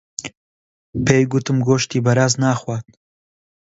پێی گوتم گۆشتی بەراز ناخوات.